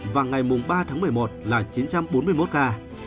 và ngày ba tháng một mươi một là chín trăm bốn mươi một ca